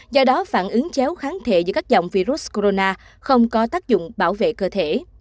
do đó phản ứng chéo kháng thể giữa các dòng virus corona không có tác dụng bảo vệ cơ thể